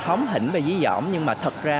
hóm hỉnh và dí dõm nhưng mà thật ra